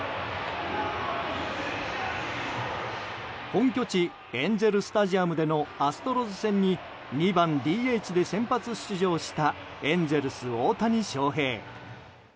本拠地エンゼル・スタジアムでのアストロズ戦に２番ＤＨで先発出場したエンゼルス、大谷翔平。